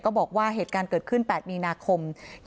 บอกว่าเหตุการณ์เกิดขึ้น๘มีนาคม๒๕๖